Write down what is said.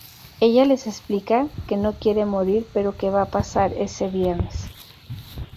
Ella les explica que no quiere morir, pero que va a pasar ese viernes.